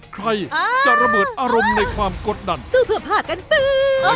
ใครจะระเบิดอารมณ์ในความกดดันสู้เพื่อผ่ากันแป๊บ